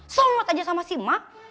selamat aja sama si emak